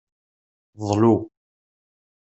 Ḍlu.